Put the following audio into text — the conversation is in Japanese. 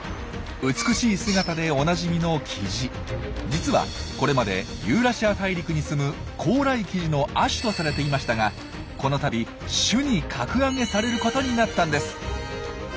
実はこれまでユーラシア大陸にすむコウライキジの亜種とされていましたがこの度種に格上げされることになったんです。